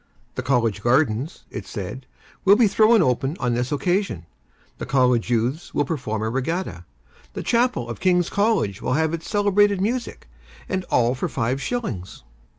'The College Gardens (it said) will be thrown open on this occasion; the College youths will perform a regatta; the Chapel of King's College will have its celebrated music;' and all for five shillings!